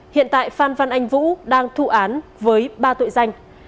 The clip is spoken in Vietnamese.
hiện tại phan văn anh vũ đang thụ án với ba tội danh